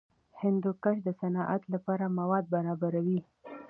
هندوکش د صنعت لپاره مواد برابروي.